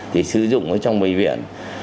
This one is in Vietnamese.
thì sử dụng ở trong bệnh viện